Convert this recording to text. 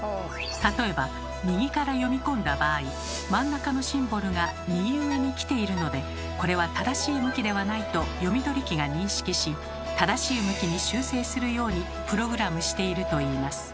例えば右から読み込んだ場合真ん中のシンボルが右上にきているのでこれは正しい向きではないと読み取り機が認識し正しい向きに修正するようにプログラムしているといいます。